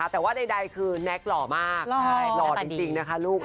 แต่ว่าใดคือแน็กหล่อมากหล่อจริงนะคะลูก